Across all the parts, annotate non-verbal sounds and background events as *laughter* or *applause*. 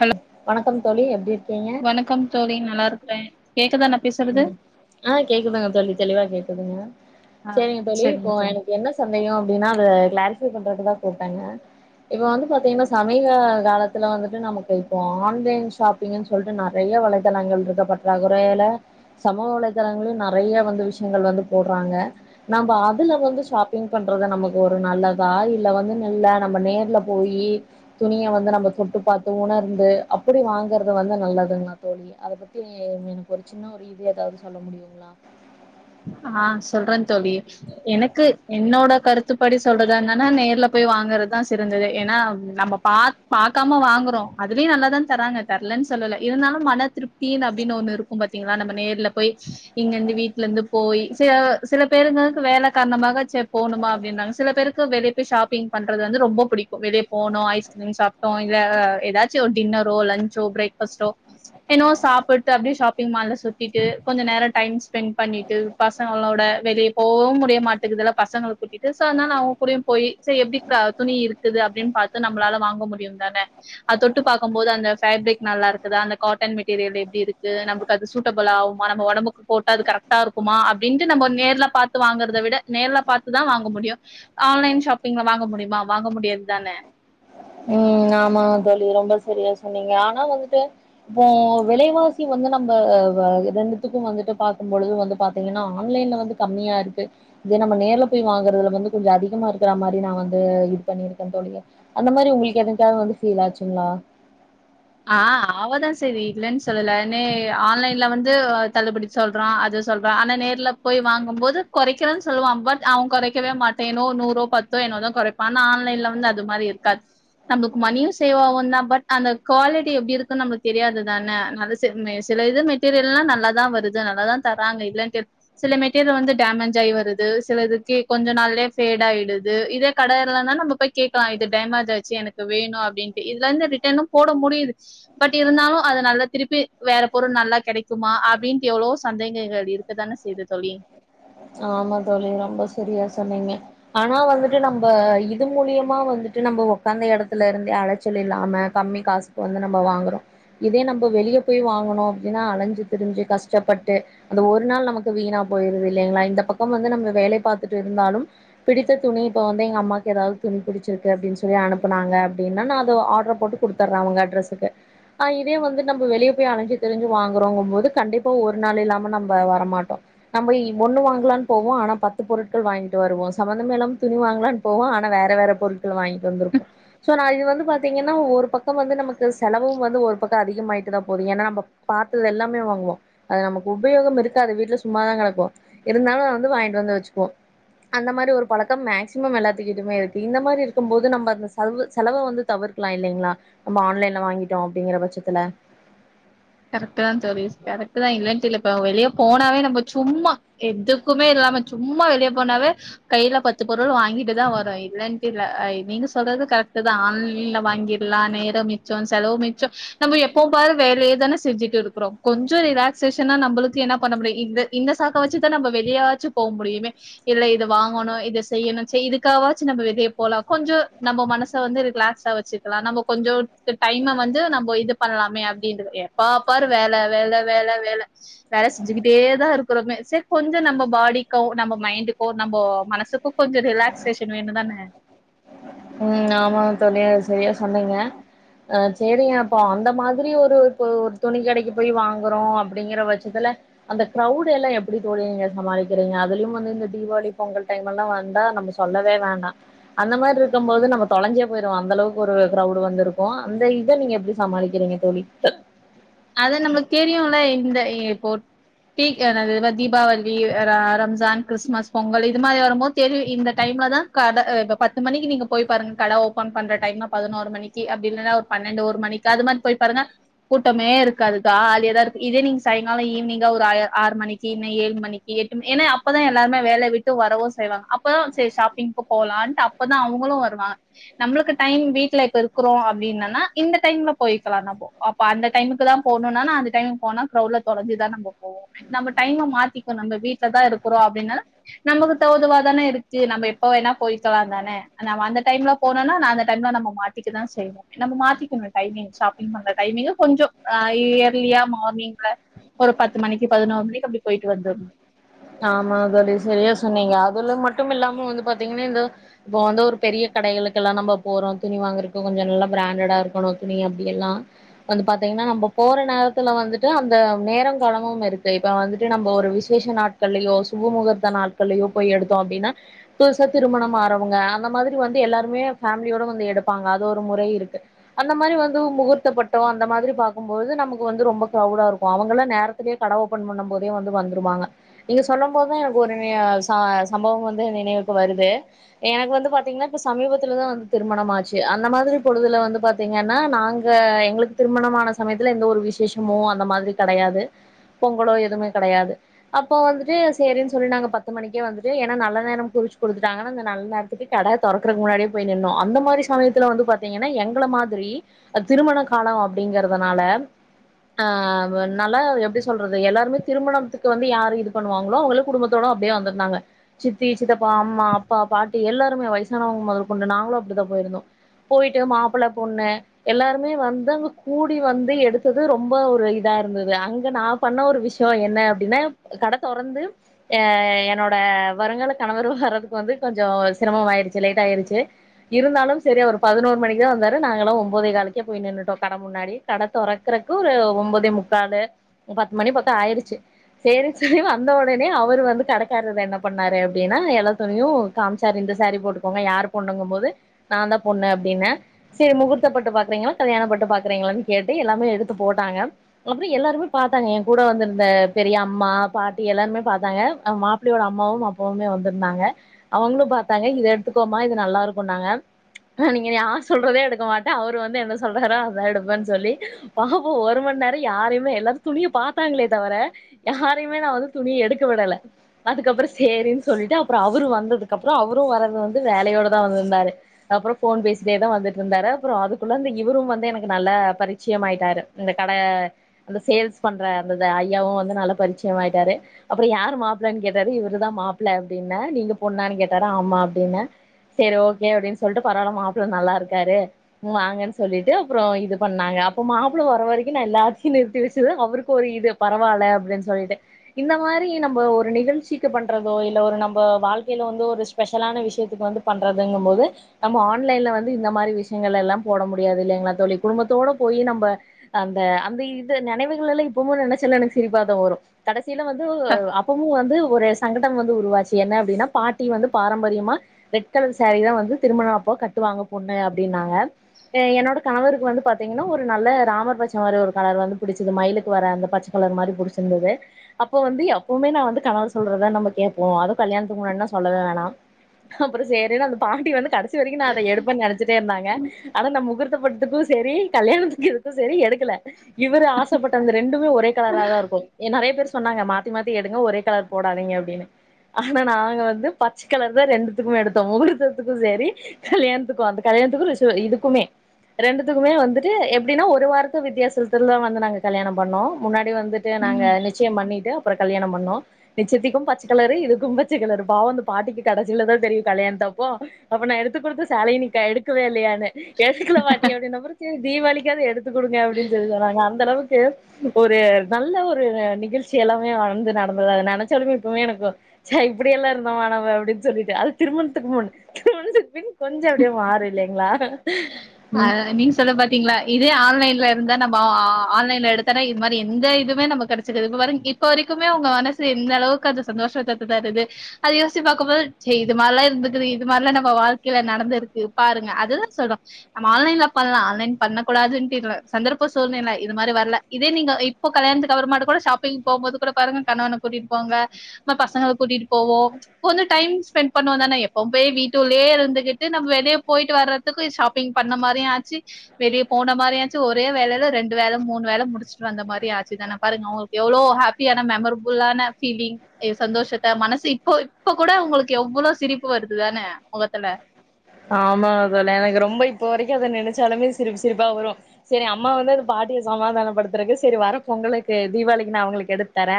hello வணக்கம் தோழி எப்டி இருக்கீங்க வணக்கம் தோழி நல்லா இருக்குறே கேக்குதா நா பே ம் ஆ கேக்குதுங்க தோழி தெளிவா கேக்குதுங்க ஆ சேரிங்க தோழி செரிங்க இப்போ தோழி எனக்கு என்ன சந்தோகோ அப்டின்னா அத கிளாரிஃபை பண்றதுக்குதா கூப்டேங்க இப்போ வந்து பாத்தீங்கன்னா சமீக காலத்துல வந்துட்டு நமக்கு இப்போ ஆன்லைன் ஷாப் அப்டிங்கன்னு சொல்லிட்டு நறைய வலைதளங்கள் இருக்க பற்றா குறையில சமூக வலைதளங்களு நெறைய வந்து விஷயங்கள் வந்து போட்றாங்க நமபோ அதுல வந்து ஷாப்பிங் பண்றது நமக்கு ஒரு நல்லதா இல்ல வந்து இல்ல நம்ம நேர்ல போயி துணிய வந்து நம்ம தொட்டு பாத்து உணர்ந்து அப்புடி வாங்குறது வந்து நல்லதுங்ளா தோழி அத பத்தி எனக்கு ஒரு சின்ன ஒரு இது ஏதாது சொல்ல முடியுங்களா ஆ சொல்றே தோழி எனக்கு என்னோட கருத்துப்படி சொல்றது என்னன்னா நேர்ல போயி வாங்குறதா சிறந்தது ஏன்னா நம்ம பாக் பாக்காம வாங்குறோ அதுவே நல்லாதா தராங்க தர்லன்னு சொல்லல்ல இருந்தாலு மன திருப் தி அப்டின்னு ஒன்னு இருக்கு பாத்தீங்ளா நம்ம நேர்ல போயி இங்கந்து வீட்ல இருந்து போயி சில சில பேருங்களுக்கு வேல காரணமாக செர் போனுமா அப்டின்னாங்க சில பேருக்கு வெளிய போய் ஷாப்பிங் பண்றது வந்து ரொம்ப புடிக் ஒ வெளியே போனோ ஐஸ்கிரீம் சாப்டோம் இல்ல ஏதாச்சும் ஒரு டின்னரோ லன்சோ பிரேக் ஃபாஸ்ட்டோ எனோ சாப்புட்டு அப்டியே ஷாப்பிங் மால்ல சுத்திட்டு கொஞ்ச நேர டைம் ஸ்பெண்ட் பண்ணிட் டு பசங்களோட வெளியே போ முடிய மாட்டேக்குதல்ல பசங்க கூட்டிட்டு சோ அதனால அவுங்க கூடயும் போய் செ எப்டி க துணி இருக்குது அப்டின்னு பாத்து நம்மளால வாங்க முடியும் தான அது தொட்டு பாக்கும் போது அந்த பேப்ரிக் நல்லா இருக்குதா அந்த காட்டன் மெட்டீரியல் எப்டி இருக்கு நம்ம கு அது சூட்டபுல்லா ஆகுமா நம்ம ஒடம்புக்கு போட்டா அது கரெக்ட் டா இருக்குமா அப்டின்ட்டு நம்ம நேர்ல பாத்து வாங்கறத விட நேர்ல பாத்துதா வாங்க முடியும் ஆன்லைன் ஷாப்பிங்ல வாங்க முடியுமா வாங்க முடியாது தான ம் ஆமா தோழி ரொம்ப சரியா சொன்னீங்க ஆனா வந்துட்டு இப்போ விலைவாசி வந்து நம்ம ரெண்டுத்துக்கும் வந்துட்டு பாக்கும்பொழுது வந்து பாத்தீங்கன்னா ஆன்லைன்ல வந்து கம்மியாக இருக்கு இதே நம்ம நேர்ல போய் வாங்குறதுல வந்து கொஞ்சம் அதிகமா இருக்கிற மாரி நான் வந்து இது பண்ணியிருக்கேன் தோழி இந்த மாரி உங்களுக்கு எதுக்காவது வந்து ஃபீல் ஆச்சுங்களா ஆ ஆவதான் செய்யுது இல்லன்னு சொல்லல னே ஆன்லைன்ல வந்து தள்ளுபடி ச் சொல்றான் அது சொல்றான் ஆனா நேர்ல போய் வாங்கும் போது குறைக்கிறன்னு சொல்லுவான் பட் அவன் குறைக்கவே மாட் ஏனோ நூறோ பத்தோ என்னோதான் குறைப்பான் ஆனா ஆன்லைன்ல வந்து அது மாதிரி இருக்காது நம்மக்கு மணியும் சேவாகும் தான் பட் அந்த குவாலிட்டி எப்படி இருக்குன்னு நம்மளுக்கு தெரியாது தான நல்ல ச சில இது மெட்டீரியல்லாம் நல்லாதான் வருது நல்லா தான் தராங்க இல்லண்ட சில மெட்டீரியல் வந்து டேமேஜ் ஆயி வருது சில இதுக்கு கொஞ்ச நாள்யே ஃபேடாயிடுது இதே கடை இலன்னா நம்ம போய் கேட்கலாம் இது டேமேஜ் ஆயச்சு எனக்கு வேணும் அப்படின்ட்டு இதுல இருந்து ரிட்டர்னும் போட முடியுது பட் இருந்தாலும் அது நல்லா திருப்பி வேற பொருள் நல்லா கிடைக்குமா அப்படின்னுட்டு எவ்ளோ சந்தேகங்கள் இருக்கு இருக்க தான செய்து தோழி ஆமா தோழி ரொம்ப சரியா சொன்னீங்க ஆனா வந்துட்டு நம்ம இது மூலியமா வந்துட்டு நம்ம உக்காந்த இடத்துல இருந்தே அழைச் சல் இல்லாம கம்மி காசுக்கு வந்து நம்ம வாங்குறோம் இதே நம்ம வெளியே போய் வாங்கணும் அப்படின்னா அலைஞ்சு திரஞ்சு கஷ்டப்பட்டு அந்த ஒரு நாள் நமக்கு வீணா போயிருது இல்லைங்களா இந்த பக்கம் வந்து நம்ம வேலை பாத்துட்டு இருந்தாலும் பிடித்த தணி இப்போ வந்து எங்கள் அம்மாக்குதாவ துணி பிடிச்சிருக்கு அப்டின்னு சொல்லி அனுப்பினாங்க அப்டின்னா நான் அது ஆர்டரை போட்டு கொடுத்துர்றா அவங்க அட்ரெஸுக்கு ஆஹ் இதே வந்து நம்ம வெளியே போய் அழிஞ்சு தெரிஞ்சு வாங்குறோங்கும் போது கண்டிப்பா ஒரு நாள் இல்லாம நம்ம வரமாட்டோம் நம்மளு இன் ஒண்ணு வாங்கலான்னு போவோம் ஆனா பத்து பொருட்கள் வாங்கிட்டு வருவோம் சம்பந்தம்மே இல்லாம துணி வாங்கலான்னு போவோ ஆன வேற வேற பொருள் தா வாங்கிட்டு வந்திருப்போம் சோ நான் இது வந்து பாத் தீங்கன்னா ஒரு பக்கம் வந்து நமக்கு செலவும் வந்து ஒரு பக்கம் அதிகமாயிட்டு தான் போது ஏன்னா நம்ம பாத்தது எல்லாமே வாங்குவோம் அது நமக்கு உபயோகம் இருக்காது வீட்டுல சும்மாதான் கிடக்கும் இருந்தாலும் அத வந்து வாங்கிட்டு வந்து வச்சுக்குவோம் அந்த மாரி ஒரு பழக்கம் மேக்ஸிமம் எல்லாத்துக்கிட்டுமே இருக்கு இந்த மாரி இருக்கும்போது நம்ம அந்த செலவு செலவை வந்து தவிரு கலாம் இல்லலைங்களா நம்ம ஆன்லைன்ல வாங்கிட்டோம் அப்படிங்கிற பட்சத்துல கரெக்ட் தான் தோழி கரெக்ட் தான் இலைன்னு இல்ல இப்ப வெளியே போனாவே நம்ம சும்மா எதுக்குமே இல்லாம சும்மா வெளிய போனாவே கையில பத்து பொருள் வாங்கிட்டுதா வறோ இல்லன்ட்டு இல்ல அ நீங்க சொல்றது கரெக்ட்டு தா ஆன்லைன்ல வாங்கி கில்லாம் நேரம் மிச்சம் செலவு மிச்சம் நம்ம எப்போ பாரு வேலையே தான செ செஞ்சுட்டு இருக்றோம் கொஞ்சம் ரிலாக்சேஷனா நம்மளுக்கு என்ன பண்ண முடியும் இந்த சாக்க வச்சுதான நம்ம வெளியவாச்சு போ முடியுமே இல்ல இது வாங்கணும் இதை செய்யணும் சரி இதுக்காகாச்சு நம்ம வெளிய போலாம் கொஞ்சம் நம்ம மனச வந்து ரிலாக்ஸா‌ வெச்சுக்கலா வச்சுக்கலாம் நம்ம கொஞ்சம் டைமை வந்து நம்ம இது பண்ணலாமே அப்படின்ற எப்பபாரு வேல வேல வேல வேல வேலை செஞ்சுக்கிட்டே தா இருக்கிறோமே சரி கொஞ்சம் நம்ம பாடிக்கும் நம்ம மைண்டுக்கும் நம்ம மனசுக்கும் கொஞ்சம் ரிலாக்சேஷன் வேணும்தானே ம் ஆமா தோழி சரியா சொன்னீங்க அ சரி இப்போ அந்த மாதிரி ஒரு இப்ப ஒரு துணி கடைக்கு போய் வாங்கறோம் அப்படிங்கிற பட்சத்துல அந்த க்ரவுடு எல்லாம் எப்படி தோழி நீங்க சமாளிக்கிறீங்க அதுலயும் வந்து இந்த தீபாவளி பொங்கல் டைம்ல்லாம் வந்தா நம்ம சொல்லவே வேண்டாம் அந்த மாதிரி இரு இருக்கும் போது நம்ம தொலைஞ்சா போயிருவோ அந்த அளவுக்கு ஒரு கிரவுட் வந்திருக்கும் அந்த இத நீங்க எப்படி சமாளிக்கறீங்க தோழி அத நம்மளுக்கு தெரியும்ல இந்த போ தீ என்னது இந்த மாறி‌ தீபாவளி ரம்ஜான் கிறிஸ்துமஸ் பொங்கல் இது மாதிரி வரும்போது தெரி இந்த டைம்ல தான் கட இப்ப பத்து மணிக்கு நீங்க போய் பாருங்க கட ஓபன் பண்ற டைம்ல பதினோரு மணிக்கு அப்டியில்லனா ஒரு பன்னண்டு ஒரு மணிக்கு அது மாறி போய் பாருங்க னமே இருக்காது காலியா தா இருக்கோ இதே நீங்க சாயங்கால ஈவினிங்கா ஒரு ஆறு மணிக்கி இல்லன்ன ஏழு மணிக்கி எட்டு ம ஏன்னா அப்பதா எல்லாருமே வேல விட்டு வரவு செய்வாங்க அப்பதா சரி ஷாப்பிங்க்கு போலான்ட்டு அப் அப்பதா அவுங்களு வருவாங்க நம்மளுக்கு டைம் வீட்டுல இப்ப இருக்கிறோ அப்டின்னனா இந்த டைம்ல போய்க்கலா நம்மோ அப்போ அந்த டைமுக்கு தா போனோனா அந்த டைமுக்கு போனா கிரவுட்ல தொலஞ்சிதா நம்ம போவோ நம்ம டைம்ம மாத்திக்கனு நம்ம வீட்லதா இருக்கறோ அப்டின்னா நமக்கு தோதுவாதான இருக்கு நம்ம எப்ப வேணா போய்கலா தான நம்ம அந்த டைம்ல போனோனா நா அந்த டைம்ல நம்ம மாட்டிக்க தா செய்வோ நம்ம மாத்திக்கணு டைமிங் ஷாப்பிங் பண்ற டைமிங்கு கொஞ்சோ அ இயர்லியா மார்னிங்ல ஒரு பத்து மணிக்கு பதினோரு மணிக்கு அப்டி போயிட்டு வந்துர்னோ ஆமா தோழி சரியா சொன்னீங்க அதுல்லா மட்டுல்லாம வந்து பாத்தீங்கன்னா இந்த இப்போ வந்து ஒரு பெரிய கடைகளுக்கெல்லா நம்ப போறோ துணி வாங்குறக்கு கொஞ்சோ நல்லா பிராண்டடா இருக்கணு துணி அப்டியெல்லா வந்து பாத்தீங்கன்னா நம்ப போற நேரத்துல வந்துட்டு அந்த நேர காலமும் இருக்கு இப்ப வந்துட்டு நம்ப ஒரு விசேஷ நாட்கள்ளையோ சுபமுகூர்த்த நாட்கள்ளையோ போய் எடுத்தோ அப்டின்னா புதுசா திருமணம் ஆறவங்க அந்த மாதிரி வந்து எல்லாருமே ஃபேமிலியோட வந்து எடுப்பாங்க அது ஒரு முறை இருக்கு அந்த மாறி வந்து முகூர்த்தப்பட்டோ அந்த மாதிரி பாக்கும்போது நமக்கு வந்து ரொம்ப க்ரவுடா இருக்கு அவுங்க எல்லா நேர கட ஓப்பன் பண்ணும் போதே வந்து வந்துருவாங்க நீங்க சொல்லும் போதா எனக்கு நிய ச ஒரு சம்பவம் வந்து நினைவுக்கு வருது எனக்கு வந்து பாத்தீங்கன்னா இப்ப சமீபத்துலதா வந்து திருமணம் ஆச்சு அந்த மாதிரி பொழுதுல வந்து பாத் தீங்கன்னா நாங்க எங்களுக்கு திருமணமான சமயத்துல எந்த ஒரு விசேஷமோ அந்த மாதிரி கெடையாது பொங்கலோ எதுவுமே கெடையாது அப்போ வந்துட்டு சேரின்னு சொல்லி நாங்க பத்து மணிக்கே வந்துட்டு ஏன்னா நல்ல நேர குறிச்சு குடுத்துட்டாங்கன்னா அந்த நல்ல நேர த்துக்கு கட தொறக்கறக்கு முன்னாடியே போய் நின்னோ அந்த மாறி சமயத்துல வந்து பாத்தீங்கன்னா எங்கள மாதிரி அது திருமண கால அப்டிங்கறதால அ லனால எப்டி சொல்றது எல்லாருமே திருமணத்துக்கு வந்து யார் இது பண்ணுவாங்ளோ அவுங்களே குடும்பத்தோட அப்டியே வந்துருந்தாங்க சித்தி சித்தப்பா அம்மா அப்பா பாட்டி எல்லாருமே வயசானவங்க மொத கொண்டு நாங்களு அப்டித்தா போயிருந்தோ போயிட்டு மாப்ள பொண்ணு எல்லாருமே வந்து அங்க கூடி வந்து எடுத்தது ரொம்ப ஒரு இதா இருந்தது அங்க நா ங்க பண்ண ஒரு விஷய என்ன அப்டின்னா கட தொறந்து ஏ என்னோட வருங்கால கணவரு வர்றதுக்கு வந்து கொஞ்ச சிரமம் ஆயிருச்சு லேட்டாயிருச்சு இருந்தாலு சரி அவரு பதினோரு மணிக்கு தா வந்தாரு நாங்கல்லா ஒம்பதே காலுக்கே போய் நின்னுட்ட கட முன்னாடி கடத் தொறக்குறக்கு ஒரு ஒம்பதே முக்காலு பத்து மணி பக்கோ ஆயிருச்சு சேரி சேரி வந்த ஒடனே அவரு வந்து கடக்காரரு என்ன பண்ணாரு அப்டின்னா எல்லாத் துணியு காமிச்சாரு இந்த சாரீ போட்டுக்கோங்க யாரு பொண்ணுங்கும் போது நா தா பொண்ணு அப்டின்ன செரி முகூர்த்தப்பட்டு பாக்குறீங்ளா கல்யாணப்பட்டு பாக்குறீங்ளான்னு கேட்டு எல்லாமே எடுத்து போட்டாங்க அப்றோ எல்லாருமே பாத்தாங்க ஏ கூட வந்திருந்த பெரிய அம்மா பாட்டி எல்லாருமே பாத்தாங்க அ மாப்பிள்ளையோட அம்மாவு அப்பாவுமே வந்திருந்தாங்க அவங்களு பாத்தாங்க இது எடுத்துக்கோமா இது நல்லா இருக்கோன்னாங்க ஹ நீங்க யார் சொல்றது எடுக்க மாட்ட அவரு வந்து என்ன சொல்றாரோ அதா எடுப்பேன்னு சொல்லி பாவோ ஒரு மண் நேரோ யாரையுமே எல்லாரு துணிய பாத்தாங்ளே தவர யாரையுமே நா வந்து துணிய எடுக்க விடல அதுக்கப்றோ சேரின்னு சொல்ட்டு அப்றோ அவரு வந்ததுக்கு அப்றோ அவரு வர்றது வந்து வேலையோட தா வந்திருந்தாரு அப்றோ ஃபோன் பேசிட்டே தா வந்துட்டு இருந்தாரு அப்றோ அதுக்குள்ள அந்த இவரு வந்து எனக்கு நல்ல பரிச்சயமாயிட்டாரு இந்த கட அந்த சேல்ஸ் பண்ற அந்த ஐயாவு வந்து நல்லா பரிச்சயமாயிட்டாரு அப்றோ யார் மாப்பிளன்னு கேட்டாரு இவரு தா மாப்ள்ள அப்டின்ன நீங்க பொண்ணாணு கேட்டாரு ஆமா அப்டின்ன சேரி ஓகே அப்டின்னு சொல்ட்டு பரவால்ல மாப்பிள்ள நல்லா இருக்காரு ம் வாங்கன்னு சொல்லிட்டு அப்புறம் இது பண்ணாங்க அப்ப மாப்பிள வர வரை க்கு நா எல்லாத்தையும் நிறுத்தி வச்சுது அவருக்கு ஒரு இது பரவாயில்ல அப்படின்னு சொல்லிட்டு இந்த மாரி நம்ம ஒரு நிகழ்ச்சிக்கு பண்றதோ இல்ல ஒரு நம்ம வாழ்க்கையில வந்து ஒரு ஸ்பெஷலான விஷயத்துக்கு வந்து பண்ணுறதுங்கும் போது நம்ம ஆன்லைன்ல வந்து இந்த மாரி விஷயங்கள் எல்லாம் போட முடியாது இல்லைங்களா தோழி குடும்பத்தோட போய் நம்ப அந்த அந்த இது நனைவுகள் எல்லாம் இப்பவும் நினைச்சல்ல எனக்கு சிரிப்பா தா வரும் கடைசியில வந்து அப்பமும் வந்து ஒரு சங்கடம் வந்து உருவாச்சு என்ன அப்படின்னா பாட்டி வந்து பாரம்பரியமா ரெட் கலர் சேரிதான் வந்து திருமணா அப்போ கட்டுவாங்க பொண்ணு அப்படின்னாங்க என்னோட கணவருக்கு வந்து பாத்தீங்கன்னா ஒரு நல்ல ராமர் பச்ச மாரி ஒரு கணவர் வந்து பிடிச்சது மயிலுக்கு வர அந்த பச்ச கலர் மாரி புடிச்சிருந்தது அப்ப வந்து எப்பவுமே நா வந்து கணவன் சொல்றதான் நம்ம கேட்போம் அது கல்யாணத்துக்கு முன்னாடிலா சொல்லவே வேணா அப்புறம் செரின்னு அந்த பாட்டி வந்து கட சி வரைக்கும் நா அத எடுப்பன் நினைச்சிட்டே இருந்தாங்க ஆனா நா முகூர்த்தப் பட்டுக்கும் செரி கல்யாணத்துக்கு இதுக்கும் சரி எடுக்கல இவரு ஆசப்பட்ட அந்த ரெண்டுமே ஒரே கலரா தா இருக்கும் என் நெறைய பேர் சொன்னாங்க மாத்தி மாத்தி எடுங்க ஒரே கலர் போடாதீங்க அப்படின்னு ஆனா நாங்க வந்து பச்ச கலர் தான் ரெண்டுத்துக்கும் எடுத்தோம் முகூர்தத்துக்கும் சரி கல்யாணத்துக்கும் அந்த கல்யாணத்துக்கும் ரிஷ இதுக்குமே ரெண்டுத்துக்குமே வந்துட்டு எப்படின்னா ஒரு வாரத்து வித்தியாசலத்துல தா வந்து நாங்க கல்யாணம் பண்ணோம் முன்னாடி வந்துட்டு நாங்க நிச்சயம் பண்ணிட்டு அப்புறோ கல்யணொ பண்ணோம் நிச்சத்துக்கும் பச்ச கலரு இதுக்கும் பச்ச கலரு பாவோ அந்த பாட்டிக்கு கடைசிலதா தெரியும் கல்யாணத் தப்போ அப்போ நா எடுத்து கொடுத்த சேலை நீ கா எடுக்கவே இல்லையா னு எசுக்கல பாட்டி அப்டின்ன பெறவு செரி தீபாவளிக்காது எடுத்துக் கொடுங்க அப்டின்னு சொல்லி சொன்னாங்க அந்த அளவுக்கு ஒரு நல்ல ஒரு நிகழ்ச்சி எல்லாமே வந்து நடந்தது அத நெனைச்சாலுமே இப்பவுமே எனக்கு ச இப்படிய எல்லாம் இருந்தா மாணவ அப்படின்னு சொல்லிட்டு அது திருமணத்துக்கு முன் திருமணத்துக்கு பின் கொஞ்சம் அப்டியே மாறு இல்லலைங்களா அதா மீம்ஸ் எல்லா பாத்தீங்களா இதே ஆன்லைன்ல இருந்த நம்ம ஆ ஆ ஆன்லைன்ல எடுத்த இது மாரி எந்த இதுமாரி நம்ம கிடைச்சுக்காது இப்ப பாருங்க *inaudible* இப்போ வரைக்குமே உங்க மனசு எந்த அளவுக்கு அந்த சந்தோஷத்த தருது அத யோசி பாக்கும்போது செரி இது மாரி எல்லாம் இருக்குது இது மாரில்லாம் நம்ம வாழ்க்கையில நடந்திருக்கு பாருங்க அதுதா சொல்றோ நம்ம ஆன்லைன்ல பண்லா ஆன்லைன் பண்ணக்கூடாதுன்ட்டு இல்ல சந்தர்ப்ப சூழ்நிலை இது மாரி வரல இதே நீங்க இப் இப்ப கல்யாணத்ககவர் மாடு கூட ஷாப்பிங் போம்போது கூட பாருங்க கணவனை கூட்டிட்டு போங்க ம‌ பசங்கள கூட்டிட் போவோ இப்ப வந்து டைம் ஸ்பெண்ட் பண்ணுவோ தான எப்போமே வீட்டுவுல்லயே இருந்துகிட்டு நம் வெளிய போயிட்டு வரதுக்கு ஷாப் பிங் பண்ண மாரியு ஆச்சு வெளிய போன மாரியு ஆச்சு ஒரே வேலயில ரெண்டு வேல மூணு வேல முடிச்சுட்டு வந்த மாரி ஆச்சு தானே பாருங்க அவங் எவ்ளோ ஹாப்பியான மெமரபுளான ஃபீலிங் எ சந்தோஷத்த மனசு இப்போ இப்ப கூட உங்களுக்கு எவ்வளோ சிரிப்பு வருதுதானே முகத்துல ஆமா அதல்ல எனக்கு ரொம்ப இப்ப வரைக்கு அத நினைச்சாலுமே சிரிப்பு சிரிப்பா வரு சேரி அம்மா வந்து அது பாட்டிய சமாதானப்படுத்துறக்கு சரி வர பொங்கலுக்கு தீபாளிக்கு நா உங்களுக்கு எடுத்து தரே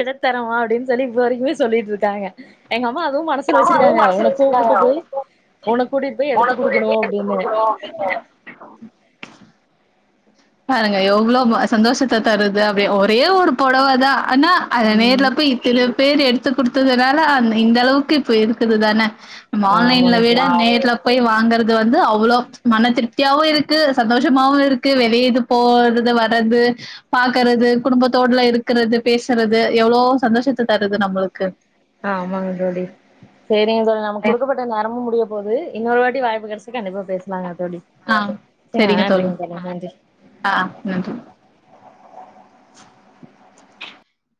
எடுத்தரமா அப்படின் சொல்லி இப்ப வரைக்குமே சொல்லிட்டுருக்காங்க எங்க அம்மா அதுவு மனஸ் சுல வச்சிருக்காங்க உன கூப்பிட்டு போய் உன கூட்டிட்டு பய் எடுத்து குடுக்கணு அப்படின்னு ஓ நீங்க பாருங்க எவ்வளவு சந்தோஷத்த தருது அப்படிய ஒரே ஒரு புடவாதா ஆனா அது நேர்ல ம் போய் இத்தனை பேர் எடுத்து குடுத்ததுனால அந்த இந்த அளவுக்கு இப்ப இருக்குது தான ம ஆன்லைன்ல ஆமாங்க விட தோழி நேர்ல போய் வாங்கறது வந்து அவ்ளோ மன திருப்தியாவு இருக்கு சந்தோஷமாவு இருக் கு வெளியேது போறது வறது பாக்குறது குடும்பத்தோடல இருக்கிறது பேசுறது எவ்ளோ சந்தோஷத்த தருது நம்மளுக்கு அ ஆமாங்க தோழி சேரிங்க தோழி நமக்கு குடுக்கப்பட்ட நேரமும் முடிய போகுது இன்னொரு வாட்டி வாய்ப்பு கிடைச்சு கண்டிப்பா பேசலாங்க தோழி ஆ ச வேணான்றிங்க தோழி *inaudible* ஆ நன்றி